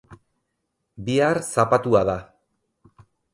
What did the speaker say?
Bihar zapatua da.